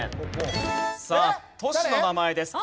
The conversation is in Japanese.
さあ都市の名前です。